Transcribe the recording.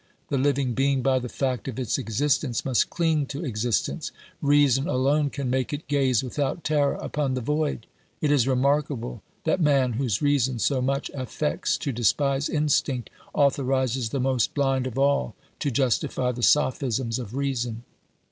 The living being, by the fact of its existence, must cling to existence; reason alone can make it gaze without terror upon the void. It is remarkable that man, whose reason so much affects to despise instinct, authorises the most blind of all to justify the sophisms of reason.